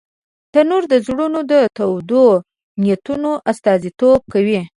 تنور د زړونو د تودو نیتونو استازیتوب کوي